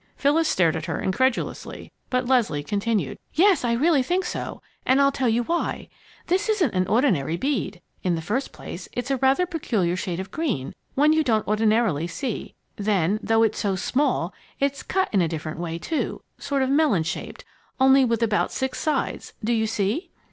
Phyllis stared at her incredulously, but Leslie continued: "Yes, I really think so, and I'll tell you why. This isn't an ordinary bead. In the first place, it's a rather peculiar shade of green one you don't ordinarily see. Then, though it's so small, it's cut in a different way, too, sort of melon shaped, only with about six sides. Do you see?"